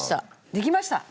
できました？